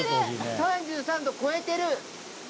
３３度超えてる。